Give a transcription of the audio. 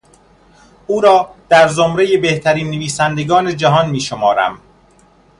او را در زمرهی بهترین نویسندگان جهان میشمارم.